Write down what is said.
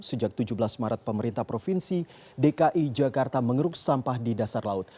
sejak tujuh belas maret pemerintah provinsi dki jakarta mengeruk sampah di dasar laut